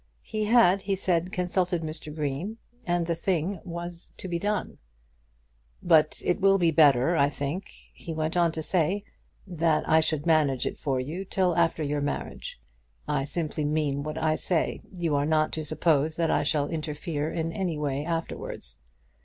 He had, he said, consulted Mr. Green, and the thing was to be done. "But it will be better, I think," he went on to say, "that I should manage it for you till after your marriage. I simply mean what I say. You are not to suppose that I shall interfere in any way afterwards.